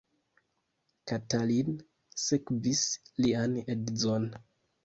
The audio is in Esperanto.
Katalin sekvis lian edzon.